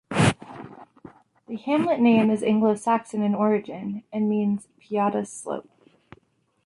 The hamlet name is Anglo Saxon in origin, and means 'Peada's slope'.